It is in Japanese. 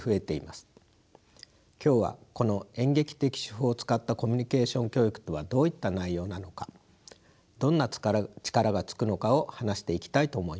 今日はこの演劇的手法を使ったコミュニケーション教育とはどういった内容なのかどんな力がつくのかを話していきたいと思います。